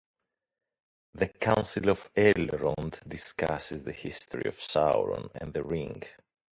The Council of Elrond discusses the history of Sauron and the Ring.